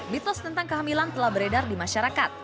mitos tentang kehamilan telah beredar di masyarakat